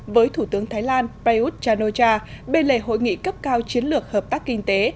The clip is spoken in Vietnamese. với thủ tướng thái lan prayuth chan o cha bên lề hội nghị cấp cao chiến lược hợp tác kinh tế